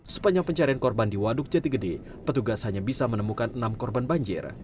sepanjang pencarian korban di waduk jati gede petugas hanya bisa menemukan enam korban banjir